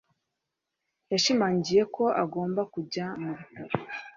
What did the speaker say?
Yashimangiye ko agomba kujya mu bitaro.